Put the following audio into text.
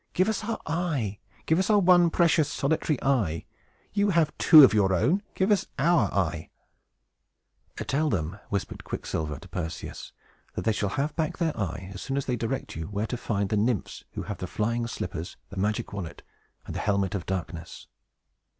Give us our eye! Give us our one, precious, solitary eye! You have two of your own! Give us our eye!" [Illustration: PERSEVS & THE GRAIÆ] "Tell them," whispered Quicksilver to Perseus, "that they shall have back the eye as soon as they direct you where to find the Nymphs who have the flying slippers, the magic wallet, and the helmet of darkness."